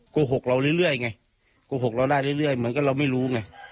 โกหกเราได้เรื่อยเหมือนกันว่าเราไม่รู้ไง